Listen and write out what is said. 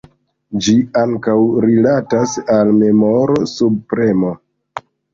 Ĝi ankaŭ rilatas al memoro subpremo.